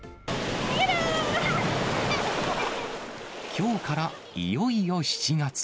きょうからいよいよ７月。